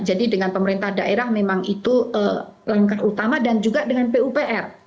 jadi dengan pemerintah daerah memang itu langkah utama dan juga dengan pupr